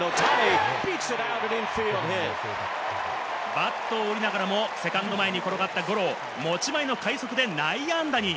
バットを折りながらも、セカンド前に転がったゴロを持ち前の快足で内野安打に。